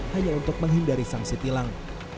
hanya untuk menghindari sanksi tilang